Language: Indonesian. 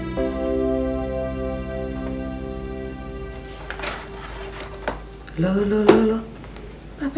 bicara tentang apa